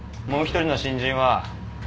もう１人の新人は？